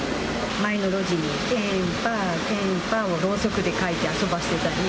前の路地に、ケン、パー、ケン、パーをろうせきで描いて遊ばせてたり。